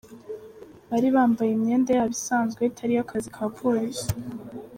Bari bambaye imyenda yabo isanzwe itari iy’akazi ka polisi.